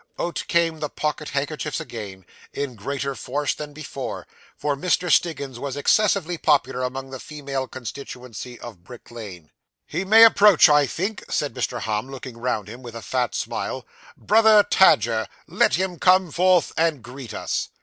Out came the pocket handkerchiefs again, in greater force than ever; for Mr. Stiggins was excessively popular among the female constituency of Brick Lane. 'He may approach, I think,' said Mr. Humm, looking round him, with a fat smile. 'Brother Tadger, let him come forth and greet us.